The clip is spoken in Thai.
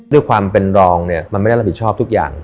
ด้วยความเป็นรองเนี่ยมันไม่ได้รับผิดชอบทุกอย่าง